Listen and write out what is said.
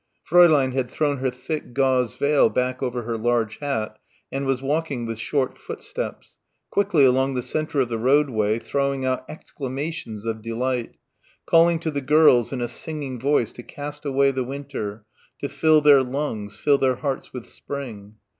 Fräulein had thrown her thick gauze veil back over her large hat and was walking with short footsteps, quickly along the centre of the roadway throwing out exclamations of delight, calling to the girls in a singing voice to cast away the winter, to fill their lungs, fill their hearts with spring.